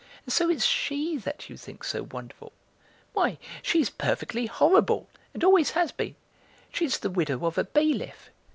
And so it's she that you think so wonderful? Why, she's perfectly horrible, and always has been. She's the widow of a bailiff.